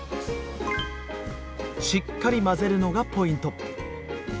しっかり混ぜるのがポイント。